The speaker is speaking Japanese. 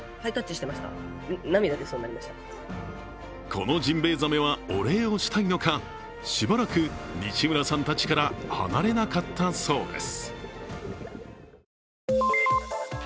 このジンベエザメはお礼をしたいのか、しばらく西村さんたちから離れなかったそうです。